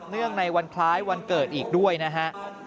เนื่องในวันพลายวันเกิดอีกด้วยนะฮะ